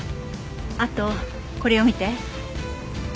あとこれを見て。